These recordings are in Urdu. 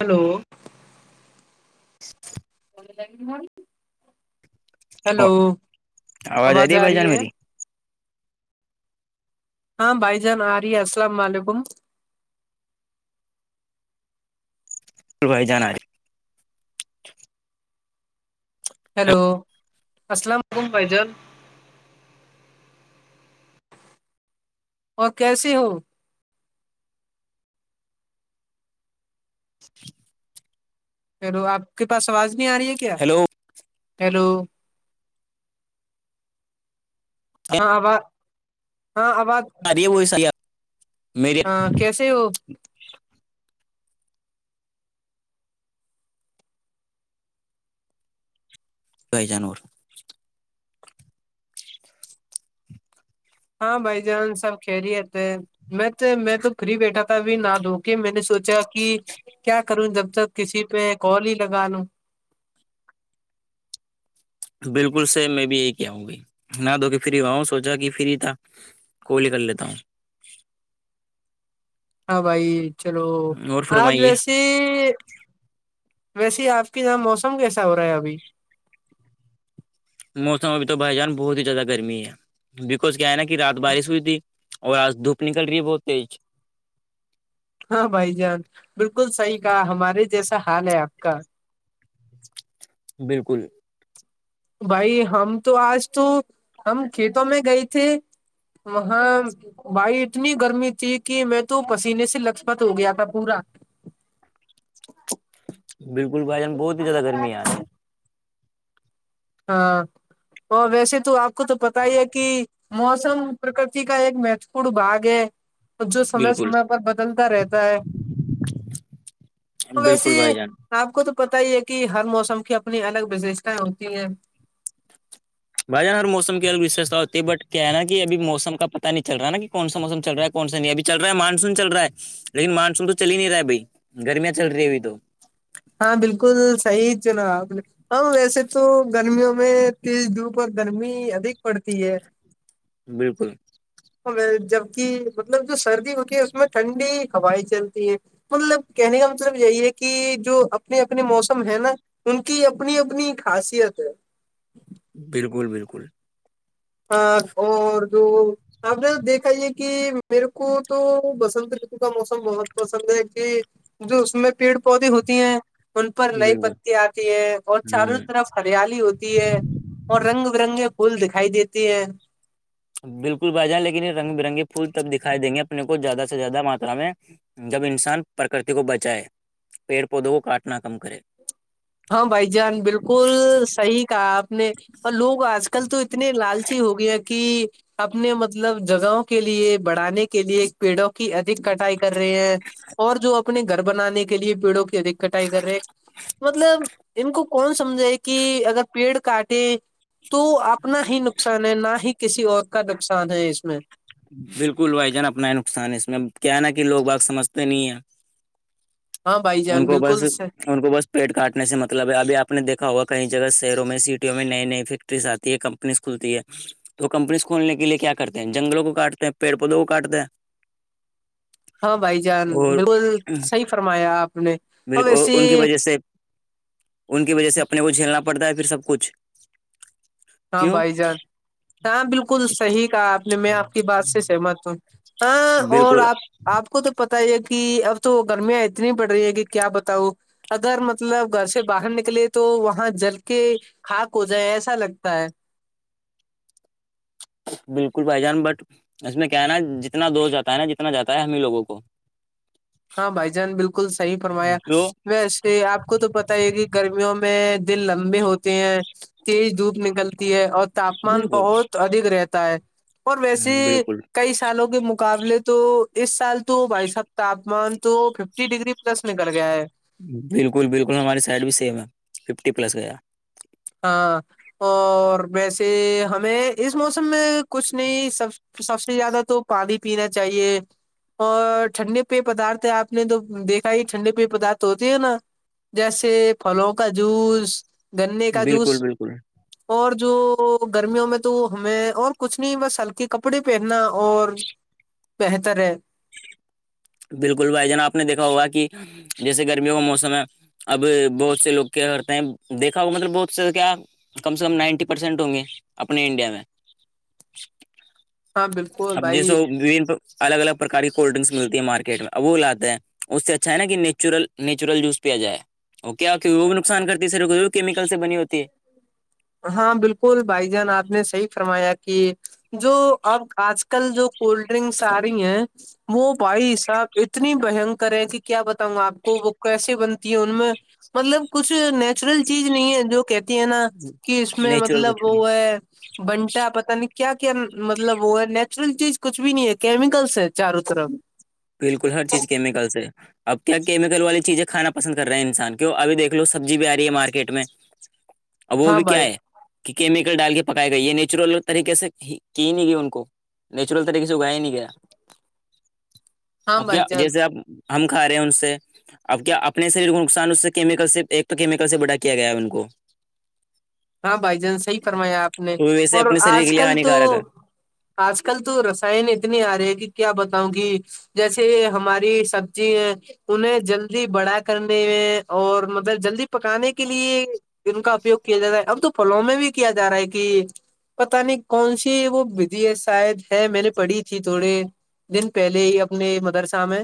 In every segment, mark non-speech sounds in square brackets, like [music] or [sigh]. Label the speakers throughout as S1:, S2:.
S1: ہلو
S2: [inaudible]
S1: ہلو آواز آ رہی ہے ہاں بھائی جان آ رہی ہے السلام علیکم
S2: کروھائی جانے ہے
S1: ہیلو السلام علیکم فائیجل اور کیسے ہو
S2: [inaudible]
S1: ہیلو آپ کے پاس آواز نہیں آ رہی ہے کیا
S2: ہیلو
S1: ہیلو ہاں آباز ہاں آواز
S2: ارے وہ سی
S1: ہاں کیسے ہو
S2: جائی جانور
S1: ہاں بھائی جان سب کھیل ہی رہتےے میں تو میں تو پری بیٹھا تھا بھی نہ دھو کے میں نے سوچا کہ کیا کروں جب تک کسی پہ کال ہی لگا لوں
S2: بالکل سے میں بھی یہی کیا آؤں گی نہ دھو کے فری ہواؤں سوچا کہ فری تھا کوولی کر لیتا ہوں
S1: ہاں بھائی چلو
S2: ہوں اور
S1: آج
S2: فرمائیے
S1: ویسیے ویسے آپ کے یہاں موسم کیسا ہو رہا ہے ابھی
S2: موسم بھی تو بھائی جان بہت ہی زیادہ گرمی ہے بیکوز کیا ہے نا کہ رات بارش ہوئی تھی اور سے دھپ نک رہی ہے بہت تیج
S1: ہاں بھائی جان بالکل صحیح کہا ہمارے جیسا حال ہے آپ کا
S2: بالکل
S1: بھائی ہم تو آج تو ہم کھیتوں میں گئے تھے وہاں بھائی اتنی گرمی تھی کہ میں تو پسینے سے لجپت ہو گیا تھا پورا [inaudible]
S2: بالکل بھائی جان بہت ہی زیادہ گرمی ہے آج
S1: ہاں اور ویسے تو آپ کو تو پتا ہی ہے کہ موسم پرکتی کا ایک مہتو پورن باگ ہے جو سمے
S2: بالکل
S1: سمے پر بدلتا رہتا ہے تو ویسے
S2: بالکل بھائی جان
S1: آپ کو تو پتا ہی ہے کہ ہر موسم کی اپنی الگ وشیشتاائیں ہوتی ہیں
S2: بھائی جان ہر موسم کی الگشتا ہوتی ہے بٹ کیا ہے نا کہ اب موسم کا پتا نہیں چل رہا نا کہ کوناوسم چل رہا ہے پن سا نہیں ابھی چل رہا ہے مانسون چل رہا لیکن مانسون تو چل ہی نہیں رہا بھائی گرمیاں چل رہی ہے ابھی تو
S1: ہاں بالکل صحیح چنا ا ویسے تو گرمیوں میں تیز دھوپر گرمی ادھک پڑتی ہے
S2: بالکل
S1: جبک مطلب جو سردی ہوتی ہے اس میں ٹھنڈی ہوائییں چلتی ہے مطلب کہنے کا مطلب یہی ہے کہ جو اپنے اپنے موسم ہے نا ان کی اپنی اپنی خاصیت ہے
S2: بالکل بالکل
S1: ہاں اور جو آپ نے دیکھا یہ کہ میرے کو تو بسنت رتو کا موسم بہت پسند ہے جو اس میں پیڑ پودے ہوتی ہیں ان پر لئی
S2: بالکل
S1: پتی آتی ہے اور چاروں
S2: ہوں
S1: طرف ہریالی ہوتی ہے اور رنگ برنگے پھول دکھائی دیتے ہیں
S2: بالکل بھائی جان لیکن یہ رنگ برنے پھول تب دکھائی دیں گے اپنے کو زیادہ سے زیادہ ماترا میں جب انسان پرکرتی کو بچائے پیڑ پودوں کو کاٹنا کم کرے
S1: ہاں بھائی جان بالکل صحیح کہا آپ نے اور لوگ آج کل تو اتنے لالچی ہو گیا کہ اپنے مطلب جگہوں کے لیے بڑھانے کے لیے پیڑوں کی ادھک کٹائی کر رہے ہیں اور جو اپنے گھر بنانے کے لیے پیڑوں کی ادھک کٹائی کر رہے مطلب ان کو کون سمجھائے کہ اگر پیڑ کاٹے تو اپنا ہی نقصان ہے نہ ہی کسی اور کا نقصان ہے اس میں
S2: بالکل بھائی جان اپنا ہے نقصان ہے اس میں ا کیا ہے نا کہ لوگ باگ سمجھتے نہیں ہیں
S1: ہاں بھائی
S2: ان
S1: جان
S2: کو
S1: بالکل
S2: بس
S1: صح-
S2: ان کو بس پیٹ کاٹنے سے مطلب ہے ابھی آپ دیکھا ہوا کئی جگہ شہروں میں سٹیوں میں نئی نئی فیکٹریز آتی ہے کم کھلتی ہے تو کمپنیز کھولنے کے لیے کیا کرتے ہیں جنگلوں کو کاٹتے ہیں پیڑ پودوں کو کاٹتے ہیں
S1: ہاں بھائی جان
S2: اور
S1: بالکل صحیح فرمایا آپ نے اور
S2: بالکل
S1: ویسے
S2: ان کی وجہ سے ان کی وجہ سے اپنے کو جھیلنا پڑتا ہے پھر سب کچھ
S1: ہاں
S2: کیوں
S1: بھائی جان ہاں بالکل صحیح کہا آپ نے میں کی بات سے سہمت تو ہاں اور
S2: بالکل
S1: آپ آپ کو تو پتا ہی ہے کہ اب تو گرمیاں اتنی بڑھ رہی ہے کہ کیا بتاؤ اگر مطلب گھر سے باہر نکلے تو وہاں جل کے خاک ہو جائے ایسا لگتا ہے
S2: بالکل بھائی جان بٹ اس میں کیا ہے نا جتنا دوست جاتا ہے نا جتنا جاتا ہے ہمیں لوگوں کو
S1: ہاں بھائی جان بالکل صحی فرمایا
S2: تو
S1: ویسے آپ کو تو پت ہی کہ گرمیوں میں دن لمبے ہوتے ہیں تیز دھوپ نکلتی ہے اور تاپمان
S2: بالکل
S1: بہت ادھک رہتا ہے اور ویسے
S2: بالکل
S1: کئی سالوں کے مقابلے تو اس سال تو بھائی صاحب تاپمان تو ففٹی ڈگری پلس نکل گیا ہے
S2: بالکل بالکل ہماری سائڈ بھی سیم ہے ففٹی پلس گیا
S1: ہاں اور ویسے ہمیں اس موسم میں کچھ نہیں سب تو سب سے زیادہ تو پانی پینا چاہیے اور ٹھنڈے پی پدارت آپ نے تو دیکھا ہی ٹھنڈے پی پدارت ہوتے ہے نا جیسے پھلوں کا جوس گنے کا
S2: بالکل
S1: جوس اور
S2: بالکل
S1: اور جو گرمیوں میں تو ہمیں اور کچھ نہیں بس ہلکے کپڑے پہننا اور پ ہتر
S2: بالکل بھائی جانا آپ نے دیکھا ہوگا کہ جیسے گرمیوں کا موسم ہے اب بہت سے لوگ کیا کرتے ہیں دیکھا ہو مطلب بہت سے کیا کم سے کم نائنٹی پرسینٹ ہوں گے اپنے انڈیا میں
S1: ہاں بالکل
S2: اب جیسو
S1: بھائی
S2: الگ الگ پرک کی کولڈ ڈرنکس ملتی ہے مارکیٹ میں وہ لاتے ہے اس سے اچھا ہے نا کہ نیچرل نیچرل جوس پیا جائے اوکے اوکے وہ بھی نقصان کرتی ہے سر کیمیکل سے بنی ہوتی ہے
S1: ہاں بالکل بھائی جان آپ نے صحی فرمایا کہ جو اب آج کل جو کولڈ ڈرنکس آ رہی ہیں وہ بھائی صاحب اتنی بنکریں کہ کیا بتاؤں آپ کو وہ کیسے بنتی ہے ان میں مطلب کچھ نیچرل چیز نہیں ہے جو کہتی ہے نا کہ اس
S2: ہے
S1: میں
S2: نیچرل
S1: مطلب
S2: کچھ بھی نہیں
S1: وہ ہے بنتا ہے پت نہیں کیا کیا مطلب وہ ہے نیچرل چیز کچھ بھی نہیں ہے کیمیکلس ہے چاروں طرف
S2: بالکل ہر چیز کیمیکل سے ہے اب کیا کیمیکل والی چیزیں کھانا پسند کر رہے ہیں انسان کیوں اب دیکھو سبزی بھی آ رہی ہے مارکیٹ میں
S1: [unintelligible]
S2: اب وہ بھی کیا
S1: بھائی
S2: ہے کہ کیمیکل ڈال کے پکائے گئے یہ نیچرل طریقے سے کی نہیں گئی ان کو نیچرل ت تو کھ گائےیں نک کیا
S1: ہاں
S2: اب
S1: بھائی
S2: کیا
S1: جان
S2: جیسے آپ ہم کھا رہے ہیں ان سے اب کیا اپنے شریر کو نقصان اس سے کیمیکل سے ایک تو کیمیکل سے بڑا کیا گیا ہے ان کو
S1: ہاں بھائی جان صحیح فرمایا آپ نے
S2: تو ویسے
S1: اور
S2: اپنے شریر کے
S1: آج
S2: لیے
S1: کل تو
S2: ہانیکارک ہے
S1: آج کل تو رسائن اتنی آ رہی ہے کہ کیا بتاؤں گ جیسے ہماری سبزی انہیں جلدی بڑا کرنے میں اور مطلب جلدی پکانے کے لیے ان کا اپیگ کیا جا رہا ہے اب تو پھلوں میں بھی کیا جا رہا ہے کہ پتہ نہیں کون سی وہ ودھی ہے شاید ہے میں نے پڑھی تھی تھوڑے دن پہلے ہی اپنی مدرسہ میں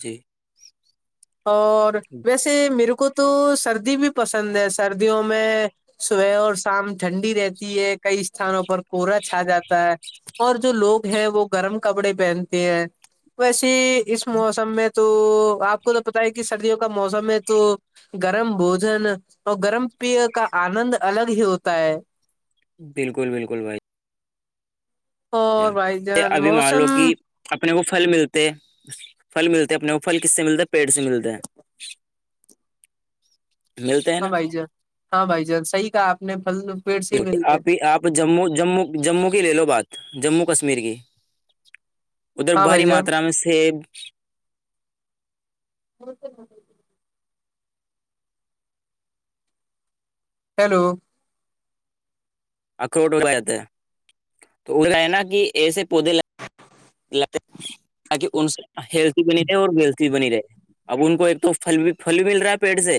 S2: جی
S1: اور ویسے میرے کو تو سردی بھی پسند ہے سردیوں میں صبح اور شام ٹھنڈی رہتی ہے کئی استھانوں پر کورا چھا جاتا ہے اور جو لوگ ہیں وہ گرم کپڑے پہنتے ہیں ویسے ہی اس موسم میں تو آپ کو تو پت ہے کہ سردیوں کا موسم میں تو گرم بوجن اور گرم پی کا آنند الگ ہی ہوتا ہے
S2: بالکل بالکل بھائی
S1: اور بھائی جان
S2: ابھی مان
S1: موسم
S2: لو کہ اپنے کو پھل ملتے پھل ملتے اپنے کو پھل کس سے ملتا ہے پیڑ سے ملتے ہیں ہیں ملتے ہیں
S1: ہاں
S2: نا
S1: بھائی جان ہاں بھائی جان صحی کہا آپ نے پھل پیڑ سے ہی ملتے ہیں
S2: آپ آپ جموں جموں جمموں کی لے لو بات جموں کشمیر کی ادھر
S1: ہاں
S2: بھاری
S1: بھائی جان
S2: ماترا میں سے
S1: ہو س ب ہیلو
S2: اخروٹ ہو جاتا ہے تو وہ ہے نا کہ ایسے پودے ل ل تاکہ ان سے ہیل بنی رہے اور ول بھی بنی رہے اب ان کو ایک توھل بھی پھل مل رہا ہے پیٹ سے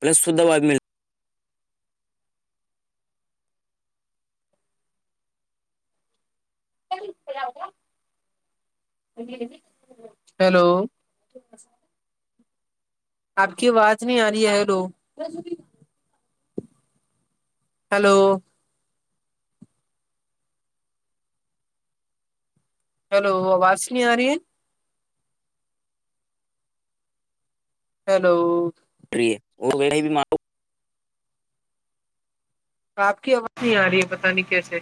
S2: پلس شدھ واد مل رہا ہے
S1: ہیلو ٹھیک ہے آپ کی آواز نہیں آ رہی ہے ہ لو ہیلو ہیلو آواز س نہیں آ رہی ہے ہیلو
S2: ری وہ وسے بھی مار
S1: آپ کی آواز نہیں آ رہی ہے بتانی کیسے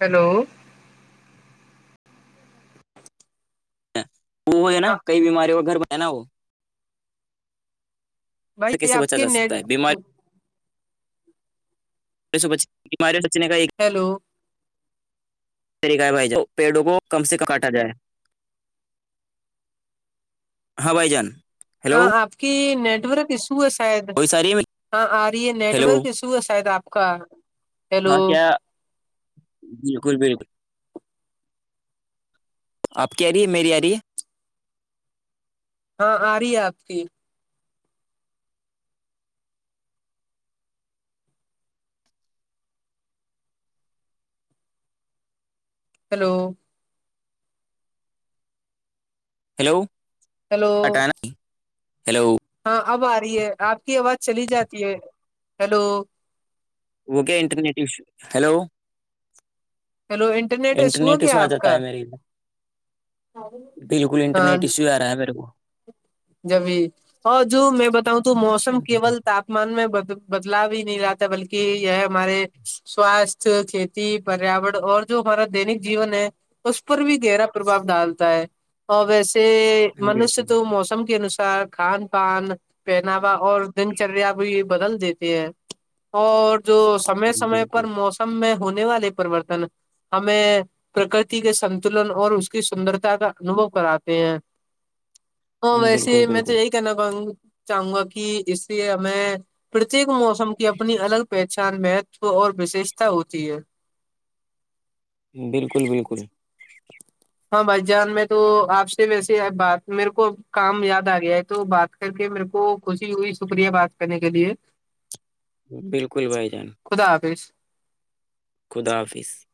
S1: ہیلو
S2: وہ ہے نا کئی بیماریوں کا گھر پ ہے نا وہ
S1: بھائی
S2: کیسے
S1: آپ کی
S2: بچا سکتا
S1: نیٹ
S2: ہے بیماری سو پچیس کے مارے سچنے کا ایک
S1: ہیلو
S2: طریقہ ہے بھائی پیڑوں کو کم سے ک کاٹا جائے ہاں بھائی جان ہیلو
S1: ہاں آپ کی نیٹورک ایشو ہے شاید
S2: کوئی ساری
S1: ہاں آ رہی ہے
S2: ہیلو
S1: نیٹورک ایشو تو سا ہے آپ کا ہیلو
S2: ہاں کیا بالکل بالکل آپ کی آ رہی ہے میری آ رہی ہے
S1: ہاں آ رہی ہے آپ کی ہلو
S2: ہیلوٹ
S1: ہیلو
S2: ہیلو
S1: ہاں اب آ رہی ہے آپ کی آواز چلی جاتی ہے ہلو
S2: وہوکے انٹرٹشو ہیلو
S1: ہیلو ایشو
S2: انٹرنیٹ
S1: ہے
S2: ہی سےو
S1: کیا
S2: آ
S1: آپ
S2: جاتا
S1: کا
S2: ہے میرری ادھر بالکل
S1: ہاں
S2: انٹرنیٹ ایشو آ رہا ہے میرے کو
S1: جبھی اور جو میں بتاؤں تو موسم کیول تپ من میں ب بدلاؤ ہی نہیں رہتا بلکہ یہ ہمارے سواستھ کھیتی پریاورن اور جو ہمارا دینک جیون ہے اس پر بھی گہرا پرباؤ ڈالتا ہے اور ویسے
S2: میرے
S1: منوشیہ
S2: کو
S1: تو موسم کے انوسار کھان پان پہناوا اور دن چریا بھی بدل دیتی ہے اور جو سمے سمے پر موسم میں ہونے والے پرریوررتن ہمیں پرکتی کے سنتلن اور اس کی سندرتا کا انوبو کراتے ہیں
S2: بالکل بالکل
S1: یہ کہنا چاہوں گا کہ اس سے ہمیں پرتیک موسم کی اپنی الگ پہچان مہتو اور وششتا ہوتی ہے
S2: بالکل بالکل
S1: ہاں بھائی جان میں تو آپ سے ویسے بات میرے کو کام یاد آ گیا ہے تو بات کر کے میرے کو خوشی ہوئی شکریہ بات کرنے کے لیے
S2: بالکل بھائی جان
S1: خدا حافظ
S2: خدافظ